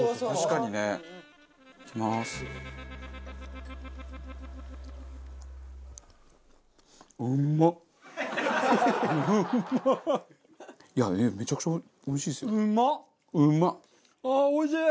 中丸：ああ、おいしい！